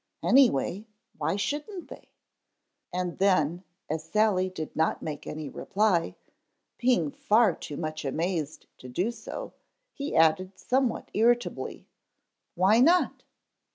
Anyway why shouldn't they?" and then as Sally did not make any reply, being far too much amazed to do so, he added somewhat irritably, "Why not?